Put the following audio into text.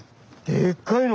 でっかいの！